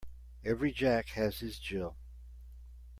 Every Jack has his Jill.